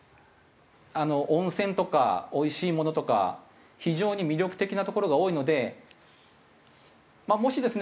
温泉とかおいしいものとか非常に魅力的な所が多いのでもしですね